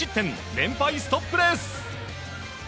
連敗ストップです。